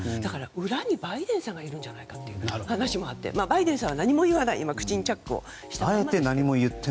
裏にバイデンさんがいるんじゃないかという話もあってバイデンさんは何も言わない口にチャックをしている状態ですね。